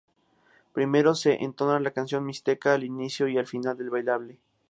Primero se entona la "Canción mixteca" al inicio y al final del bailable.